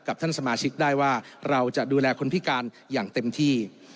ท่านสมาชิกได้ว่าเราจะดูแลคนพิการอย่างเต็มที่